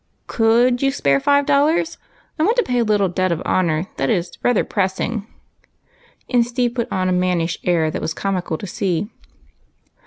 " Could you spare five dollars? I want to pay a little debt of honor that is rather pressing," and Steve put on a mannish air tliat was comical to see.